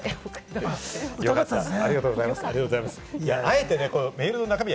よかったですね。